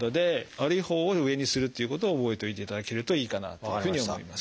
悪いほうを上にするっていうことを覚えておいていただけるといいかなというふうに思います。